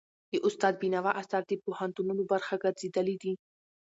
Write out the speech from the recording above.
د استاد بينوا آثار د پوهنتونونو برخه ګرځېدلي دي.